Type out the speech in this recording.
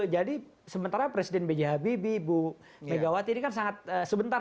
jadi sementara presiden bg habibie ibu megawati ini kan sangat sebentar